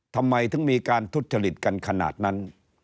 ทำไมถึงมีการทุจจริตกันขนาดนั้น